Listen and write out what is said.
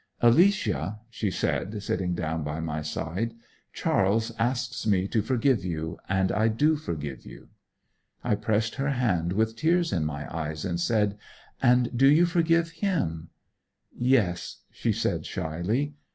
'Alicia,' she said, sitting down by my side, 'Charles asks me to forgive you, and I do forgive you.' I pressed her hand, with tears in my eyes, and said, 'And do you forgive him?' 'Yes,' said she, shyly.